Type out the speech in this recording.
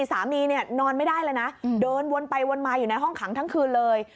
สามีเนี่ยนอนไม่ได้เลยนะเดินวนไปวนมาอยู่ในห้องขังทั้งคืนเลย